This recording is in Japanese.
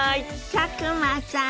佐久間さん。